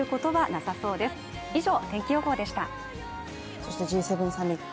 そしてＧ７サミット